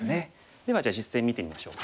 ではじゃあ実戦見てみましょうかね。